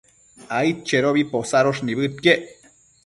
aidchedobi posadosh nibëdquiec